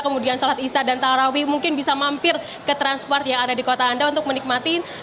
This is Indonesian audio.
kemudian sholat isya dan tarawih mungkin bisa mampir ke transmart yang ada di kota anda untuk menikmati